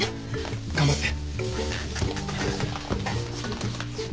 頑張って。